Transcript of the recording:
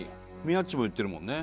宮っちも言ってるもんね。